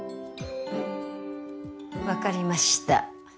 分かりました。